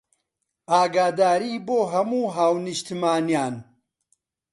ئاگاداری بۆ هەموو هاونیشتمانیان